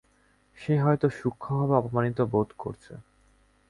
সে হয়তো সূক্ষ্মভাবে অপমানিত বোধ করছে।